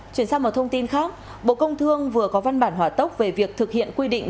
chuyển sang một thông tin khác bộ công thương vừa có văn bản hỏa tốc về việc thực hiện quy định